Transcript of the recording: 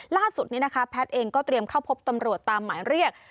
ล่าสุดนี้นะคะแพทย์เองก็เตรียมเข้าพบตำรวจตามหมายเรียก